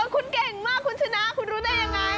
คุณเก่งมากคุณชนะคุณรู้ได้ยังไง